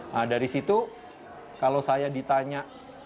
nah dari situ kalau saya ditanya